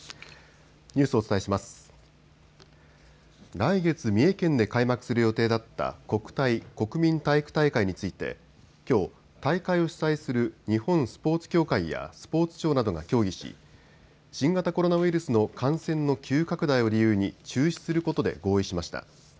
来月、三重県で開幕する予定だった国体、国民体育大会についてきょう大会を主催する日本スポーツ協会やスポーツ庁などが協議し新型コロナウイルスの感染の急拡大を理由に中止することで合意しました。